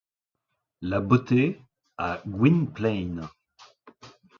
la beauté à Gwynplaine.